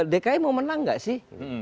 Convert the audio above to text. dki mau menang gak sih